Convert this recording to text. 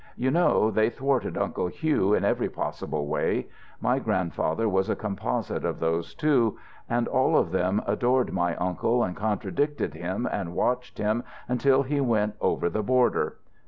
You know, they thwarted Uncle Hugh in every possible way. My grandfather was a composite of those two, and all of them adored my uncle and contradicted him and watched him until he went over the border.